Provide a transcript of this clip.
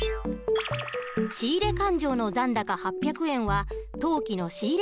仕入勘定の残高８００円は当期の仕入